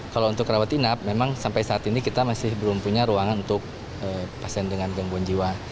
kalau untuk rawat inap memang sampai saat ini kita masih belum punya ruangan untuk pasien dengan gangguan jiwa